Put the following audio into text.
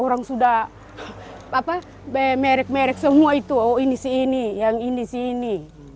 orang sudah apa merek merek semua itu oh ini ini yang ini ini